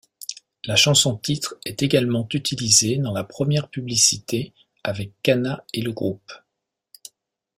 La chanson-titre est également utilisée dans la première publicité avec Kanna et le groupe.